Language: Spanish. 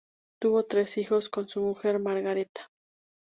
Tuvo tres hijos con su mujer Margareta.